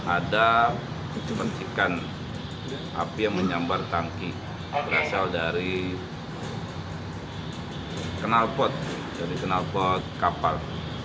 ada pencikan api yang menyambar tangki berasal dari kenalpot dari kenalpot kapal